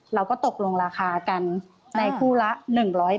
เราก็ตกลงราคากันในคู่ละ๑๐๐บาท